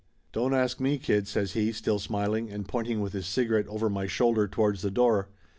"Don't ask me, kid," says he, still smiling, and pointing with his cigarette over my shoulder towards the door.